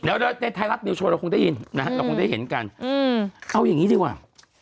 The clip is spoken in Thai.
แล้วในทายรัฐเนิวชัวร์ผมได้ยินเอาอย่างนี้ดีกว่า